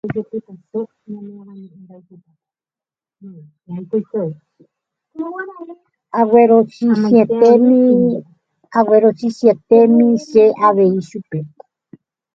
aguerochichĩetémi che avei chupe